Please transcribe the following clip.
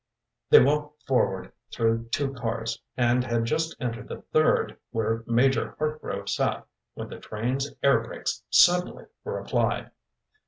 They walked forward through two cars, and had just entered the third where Major Hartgrove sat, when the train's air brakes suddenly were applied.